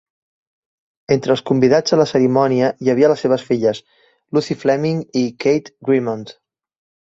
Entre els convidats a la cerimònia hi havia les seves filles, Lucy Fleming i Kate Grimond.